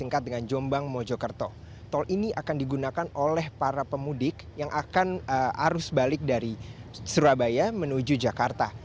kak korlantas berjalan sebalik dari surabaya menuju jakarta